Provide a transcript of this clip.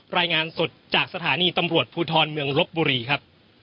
รายงานสดจากสถานีตำรวจภูทรเมืองลบบุรีครับ